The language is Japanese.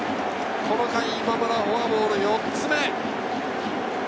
この回、今村、フォアボール４つ目。